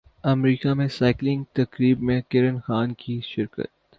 امریکہ میں سائیکلنگ تقریب میں کرن خان کی شرکت